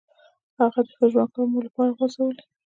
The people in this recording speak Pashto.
د هغه ښه ژوند کول مو له پامه غورځولي.